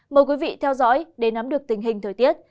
mời quý vị theo dõi để nắm được tình hình thời tiết